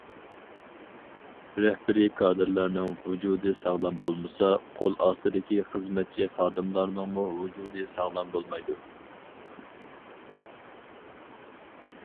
رەھبىرىي كادىرلارنىڭ ۋۇجۇدى ساغلام بولمىسا، قول ئاستىدىكى خىزمەتچى خادىملارنىڭمۇ ۋۇجۇدى ساغلام بولمايدۇ.